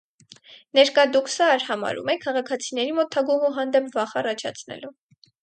Ներկա դուքսը արհամարհում է՝ քաղաքացիների մոտ թագուհու հանդեպ վախ առաջացնելով։